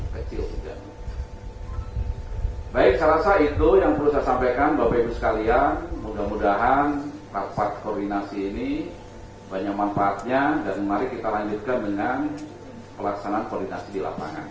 baik saya rasa itu yang perlu saya sampaikan bapak ibu sekalian mudah mudahan rapat koordinasi ini banyak manfaatnya dan mari kita lanjutkan dengan pelaksanaan koordinasi di lapangan